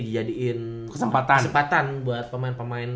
dijadiin kesempatan buat pemain pemain ini